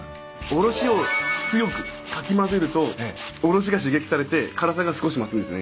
おろしを強くかき混ぜるとおろしが刺激されて辛さが少し増すんですね。